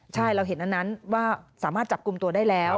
ใช่เราเห็นอันนั้นว่าสามารถจับกลุ่มตัวได้แล้ว